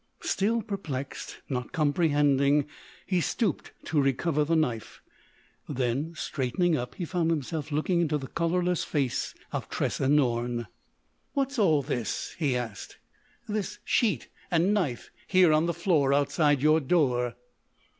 Still perplexed, not comprehending, he stooped to recover the knife. Then, straightening up, he found himself looking into the colourless face of Tressa Norne. "What's all this?" he asked—"this sheet and knife here on the floor outside your door?"